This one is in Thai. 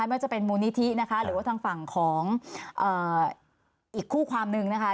ไม่ว่าจะเป็นมูลนิธินะคะหรือว่าทางฝั่งของอีกคู่ความนึงนะคะ